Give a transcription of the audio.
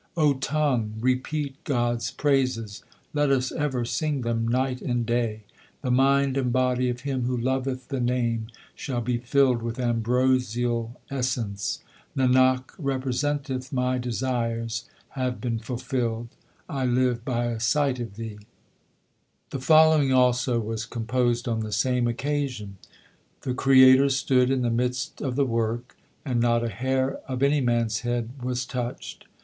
O tongue, repeat God s praises ; let us ever sing them night and day. The mind and body of him who loveth the Name shall be filled with ambrosial essence. Nanak representeth, my desires have been fulfilled. I live by a sight of Thee. 2 1 The reference is to Guru Ram Das. 2 Suhi Chhant. 12 THE SIKH RELIGION The following also was composed on the same occasion : The Creator stood in the midst of the work, And not a hair of any man s head was touched.